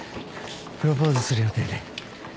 プロポーズする予定で。